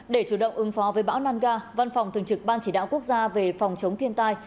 để chủ động ứng phó với bão nangga văn phòng thường trực ban chỉ đạo quốc gia về phòng chống thiên tai